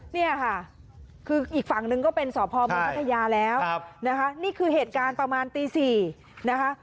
นี่ค่ะคืออีกฝั่งนึงก็เป็นศพพัทยาแล้วนี่คือเหตุการณ์ประมาณตี๔นะครับ